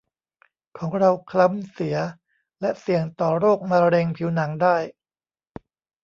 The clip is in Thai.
ของเราคล้ำเสียและเสี่ยงต่อโรคมะเร็งผิวหนังได้